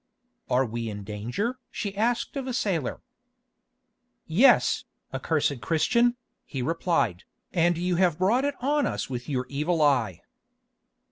"Are we in danger?" she asked of a sailor. "Yes, accursed Christian," he replied, "and you have brought it on us with your evil eye."